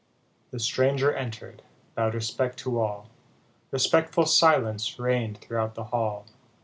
The stranger enter'd, bowed respect to all, Respectful silence reign'd throughout the hall.